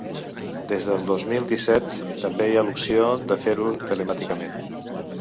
Des del dos mil disset també hi h l’opció de fer-ho telemàticament.